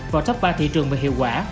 vào top ba thị trường về hiệu quả